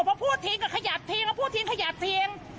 เพราะผู้ทิ้งก็ขยัดทิ้งแล้วผู้ทิ้งขยัดทิ้ง